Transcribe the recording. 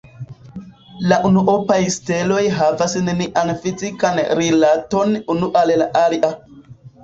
La unuopaj steloj havas nenian fizikan rilaton unu al la alia.